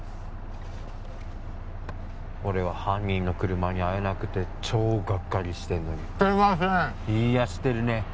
俺は犯人の車に会えなくて超がっかりしてんのにしてませんいいやしてるね